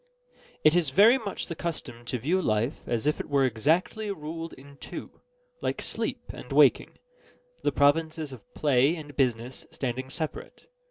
It is very much the custom to view life as if it were exactly ruled in two, like sleep and waking; the provinces of play and business standing separate.